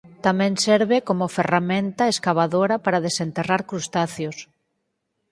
Tamén serve como ferramenta escavadora para desenterrar crustáceos.